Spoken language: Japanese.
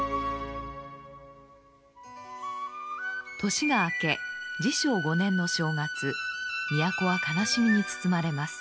年が明け治承５年の正月都は悲しみに包まれます。